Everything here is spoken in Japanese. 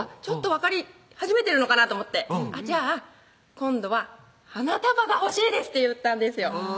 分かり始めてるのかなとじゃあ今度は「花束が欲しいです」と言ったんですよ